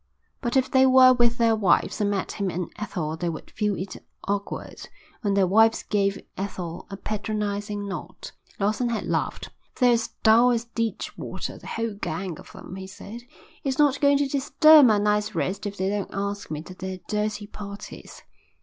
But if they were with their wives and met him and Ethel they would feel it awkward when their wives gave Ethel a patronising nod. Lawson had laughed. "They're as dull as ditchwater, the whole gang of them," he said. "It's not going to disturb my night's rest if they don't ask me to their dirty parties."